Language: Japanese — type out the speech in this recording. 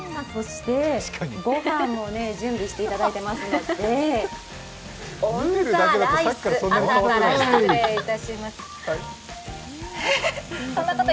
ご飯も準備していただいていますのでオン・ザ・ライス、朝から失礼いたします。